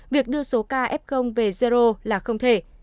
việc đưa số ca f về là không thể